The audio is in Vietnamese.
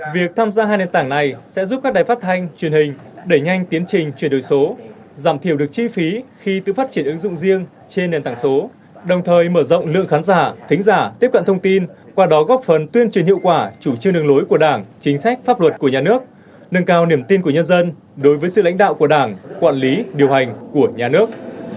việc tham gia hai nền tảng này sẽ giúp các đài phát thanh truyền hình đẩy nhanh tiến trình truyền đổi số giảm thiểu được chi phí khi tự phát triển ứng dụng riêng trên nền tảng số đồng thời mở rộng lượng khán giả thính giả tiếp cận thông tin qua đó góp phần tuyên truyền hiệu quả chủ trương đường lối của đảng chính sách pháp luật của nhà nước nâng cao niềm tin của nhân dân đối với sự lãnh đạo của đảng quản lý điều hành của nhà nước